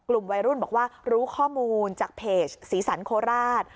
กลุ่มวัยรุ่นบอกว่ารู้ข้อมูลจากเพจสีสันโคราช